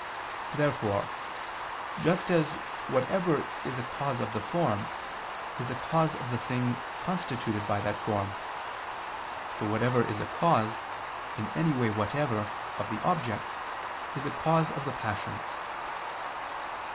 Therefore, just as whatever is a cause of the form, is a cause of the thing constituted by that form, so whatever is a cause, in any way whatever, of the object, is a cause of the passion.